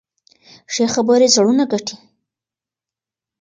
ښې خبرې زړونه ګټي.